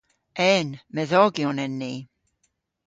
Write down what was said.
En. Medhogyon en ni.